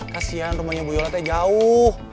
kasian rumahnya bu yola teh jauh